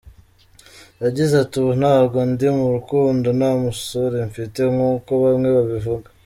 Yagize ati “Ubu ntabwo ndi mu rukundo, nta musore mfite nk’uko bamwe babivuga.